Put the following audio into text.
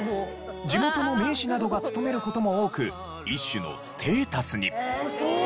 地元の名士などが務める事も多く一種のステータスに。